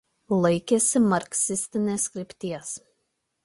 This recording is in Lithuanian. Laikėsi marksistinės krypties.